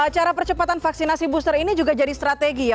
cara percepatan vaksinasi booster ini juga jadi strategi ya